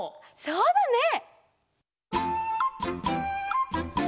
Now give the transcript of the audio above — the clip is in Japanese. そうだね！